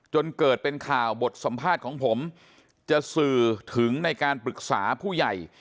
จนเกิดเป็นข่าวบทสัมภาษณ์ของผมจะสื่อถึงในการปรึกษาผู้ใหญ่